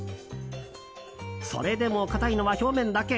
それでも、かたいのは表面だけ。